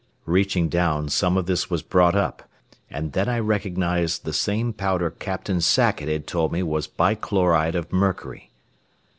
Reaching down, some of this was brought up; and then I recognized the same powder Captain Sackett had told me was bichloride of mercury.